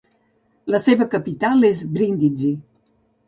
La seva capital és Bríndisi.